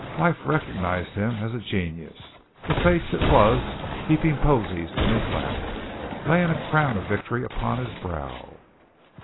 Life recognized him as a genius the fates it was heaping posies in his lap, laying a crown of victory upon his brow.